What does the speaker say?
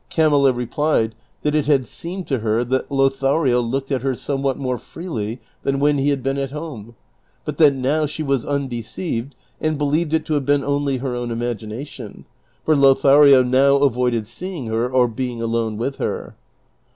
Camilla replied that it had seemed to her that Lothario looked at lier somewhat more freely than when he had been at liome ; but that now she was undeceived and believed it to have been only her own imagination, for Lothario now avoided seeing her, or being alone with her.